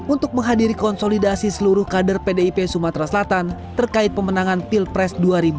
untuk menghadiri konsolidasi seluruh kader pdip sumatera selatan terkait pemenangan pilpres dua ribu dua puluh